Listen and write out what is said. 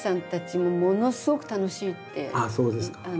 そうですか。